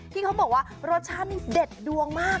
ที่เขาบอกว่ารสชาตินี่เด็ดดวงมาก